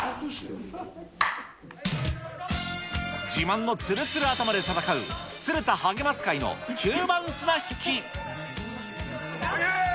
自慢のつるつる頭で戦うつるたはげます会の吸盤綱引き。